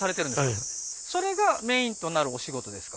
はいそれがメインとなるお仕事ですか？